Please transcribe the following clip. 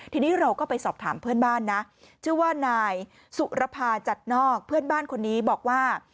ทีนี้เราก็ไปสอบถามเพื่อนบ้านนะชื่อว่านายสุรภาจัดนอกเพื่อนบ้านคนนี้บอกว่า